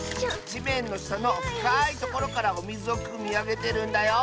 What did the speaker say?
じめんのしたのふかいところからおみずをくみあげてるんだよ。